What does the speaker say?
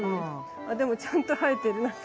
あでもちゃんと生えてる何か。